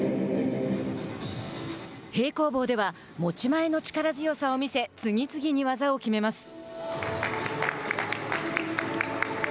平行棒では持ち前の力強さを見せ次々に技を決めます。